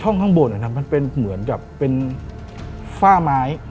ข้างบนนะครับมันเป็นเหมือนกับเป็นฝ้าไม้